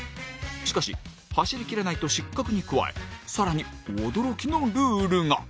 しかし走り切らないと失格に加え更に驚きのルールが。